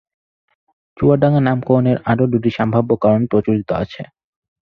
চুয়াডাঙ্গা নামকরণের আরও দুটি সম্ভাব্য কারণ প্রচলিত আছে।